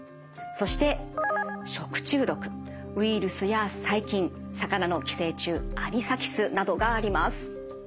そしてウイルスや細菌魚の寄生虫アニサキスなどがあります。